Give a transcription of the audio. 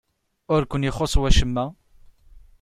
Ur ken-ixuṣṣ wacemma?